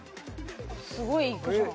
すごい行くじゃん。